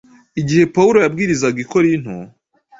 Igihe Pawulo yabwirizaga i Korinto,